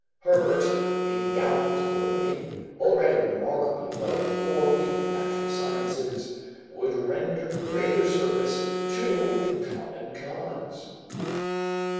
Herbert, a gallant boy, already remarkably well informed in the natural sciences, would render greater service to the common cause.